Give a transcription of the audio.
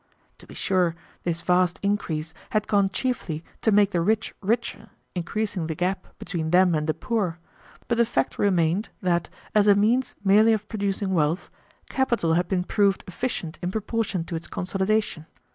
To be sure this vast increase had gone chiefly to make the rich richer, increasing the gap between them and the poor; but the fact remained that, as a means merely of producing wealth, capital had been proved efficient in proportion to its consolidation.